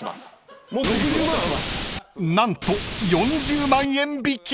［何と４０万円引き］